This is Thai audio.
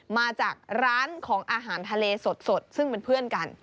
มาจากร้านของอาหารทะเลสดซึ่งเป็นเพื่อนกัน